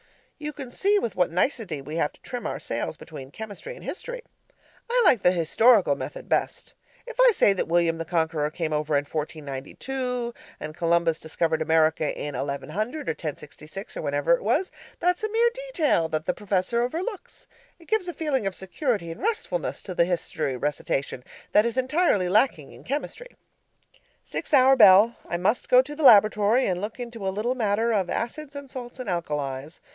You can see with what nicety we have to trim our sails between chemistry and history. I like the historical method best. If I say that William the Conqueror came over in 1492, and Columbus discovered America in 1100 or 1066 or whenever it was, that's a mere detail that the Professor overlooks. It gives a feeling of security and restfulness to the history recitation, that is entirely lacking in chemistry. Sixth hour bell I must go to the laboratory and look into a little matter of acids and salts and alkalis.